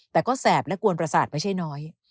แต่ก็แสบและกวนประสาทไม่ใช่น้อย